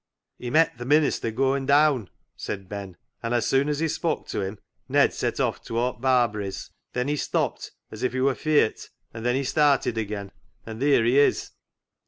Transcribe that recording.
" He met th' minister goin' daan," said Ben, " an' as soon as he spok' to him Ned set off towart Barbary's. Then he stopt as if he wor feart, and then he started again, and theer he is."